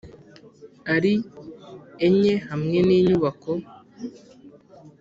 Ari Enye Hamwe N Inyubako